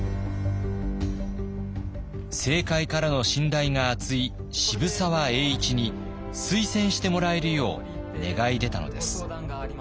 政界からの信頼が厚い渋沢栄一に推薦してもらえるよう願い出たのです。